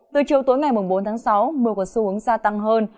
từ chiều tối ngày bốn tháng sáu mưa có xu hướng gia tăng hơn